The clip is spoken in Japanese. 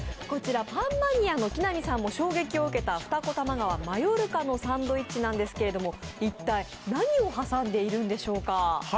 こちら、パンマニアの木南さんも衝撃を受けた二子玉川Ｍａｌｌｏｒｃａのサンドイッチなんですけれども一体、何を挟んでいるのでしょうか。